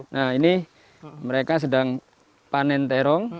nah ini mereka sedang panen terong